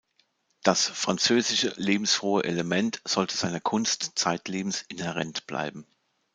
Das „französische“, lebensfrohe Element sollte seiner Kunst zeitlebens inhärent bleiben.